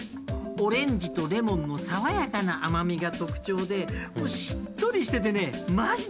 オレンジとレモンの爽やかな甘みが特徴でしっとりしててねまじ